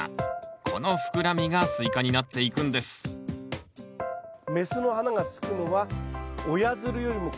この膨らみがスイカになっていくんです雌の花がつくのは親づるよりも子づる。